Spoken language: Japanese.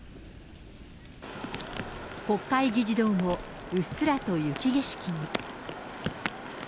国会議事堂もうっすらと雪景色に。